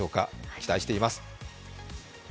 期待しています。